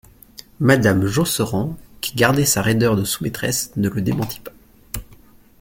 Madame Josserand, qui gardait sa raideur de sous-maîtresse, ne le démentit pas.